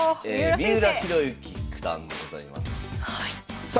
三浦弘行九段でございます。